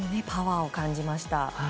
パワーを感じました。